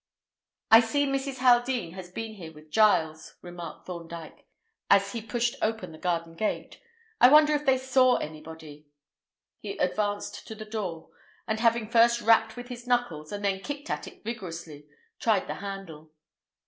"I see Mrs. Haldean has been here with Giles," remarked Thorndyke, as he pushed open the garden gate. "I wonder if they saw anybody." He advanced to the door, and having first rapped with his knuckles and then kicked at it vigorously, tried the handle.